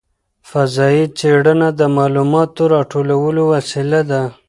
فضايي څېړنه د معلوماتو راټولولو وسیله ده.